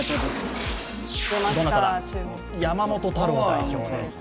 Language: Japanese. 山本太郎代表です。